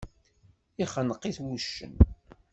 Ixneq-it wuccen.